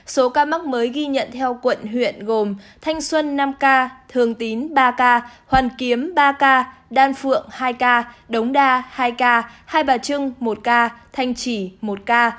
số ca mắc mới ghi nhận theo quận huyện gồm thanh xuân nam ca thường tín ba ca hoàn kiếm ba ca đan phượng hai ca đống đa hai ca hai bà trưng một ca thanh chỉ một ca